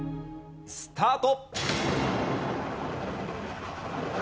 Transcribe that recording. スタート！